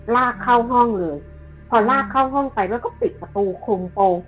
ลากเข้าห้องเลยพอลากเข้าห้องไปแล้วก็ปิดประตูคุมโปรง